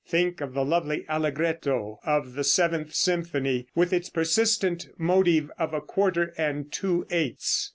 Think of the lovely allegretto of the seventh symphony, with its persistent motive of a quarter and two eighths.